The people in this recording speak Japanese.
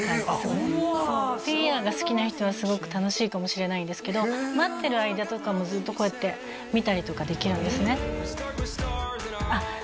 こんなフィギュアが好きな人はすごく楽しいかもしれないんですけど待ってる間とかもずっとこうやって見たりとかできるんですねあっ